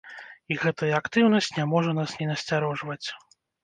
І гэтая актыўнасць не можа нас не насцярожваць.